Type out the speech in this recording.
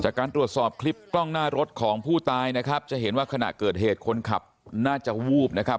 จากการตรวจสอบคลิปกล้องหน้ารถของผู้ตายนะครับจะเห็นว่าขณะเกิดเหตุคนขับน่าจะวูบนะครับ